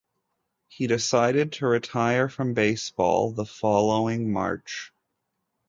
He decided to retire from baseball the following March.